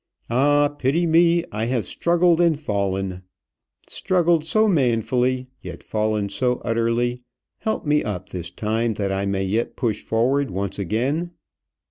"Ah! pity me. I have struggled and fallen struggled so manfully, yet fallen so utterly help me up this time that I may yet push forward once again!"